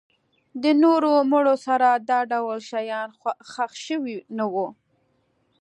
له نورو مړو سره دا ډول شیان ښخ شوي نه وو.